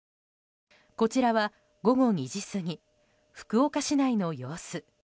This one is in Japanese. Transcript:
こちらは午後２時過ぎ福岡市内の様子。